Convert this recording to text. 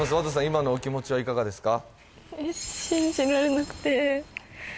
今のお気持ちはいかがですか？